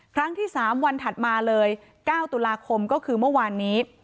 ครั้งที่๓วันถัดมาเลย๙ตุลาคมก็คือเมื่อวานนี้